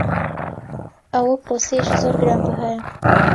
ئەوە پرۆسەیەکی زۆر گرانبەهایە.